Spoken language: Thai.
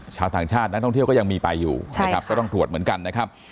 ชาวต่างชาตินักท่องเที่ยวก็ยังมีไปอยู่นะครับก็ต้องตรวจเหมือนกันนะครับ